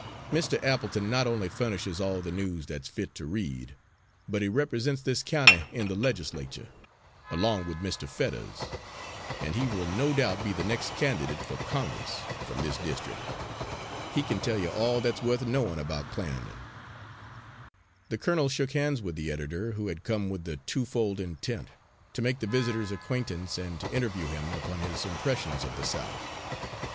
Mr. Appleton not only furnishes all the news that's fit to read, but he represents this county in the Legislature, along with Mr. Fetters, and he will no doubt be the next candidate for Congress from this district. He can tell you all that's worth knowin' about Clarendon." The colonel shook hands with the editor, who had come with a twofold intent to make the visitor's acquaintance and to interview him upon his impressions of the South.